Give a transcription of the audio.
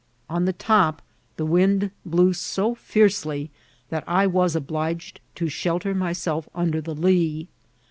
On the top the wind blew so fiercel j that I was obliged to riielter myself nader the lee.